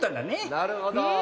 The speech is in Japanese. なるほど。